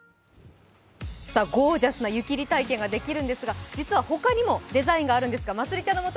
ゴージャスな湯切り体験ができるんですが、実は他にもデザインがあるんです。